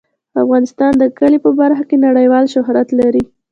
افغانستان د کلي په برخه کې نړیوال شهرت لري.